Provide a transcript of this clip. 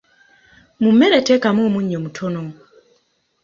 Mu mmere teekamu omunnyu mutono.